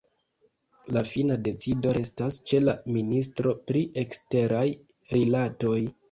La fina decido restas ĉe la ministro pri eksteraj rilatoj.